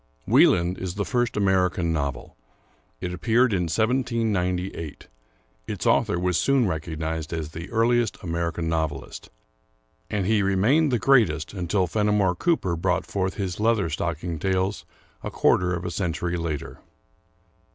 "Wieland" is the first American novel. It appeared in 1798; its author was soon recognized as the earliest American novelist; and he remained the greatest, until Fenimore Cooper brought forth his Leather stocking Tales, a quarter of a century later.